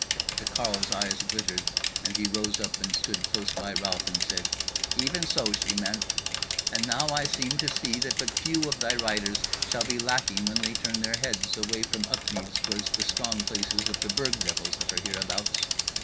The carle's eyes glittered, and he rose up and stood close by Ralph, and said: "Even so she meant; and now I seem to see that but few of thy riders shall be lacking when they turn their heads away from Upmeads towards the strong places of the Burg devils that are hereabouts.